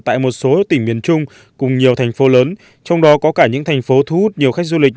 tại một số tỉnh miền trung cùng nhiều thành phố lớn trong đó có cả những thành phố thu hút nhiều khách du lịch